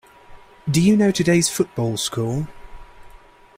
Do you know today's football score?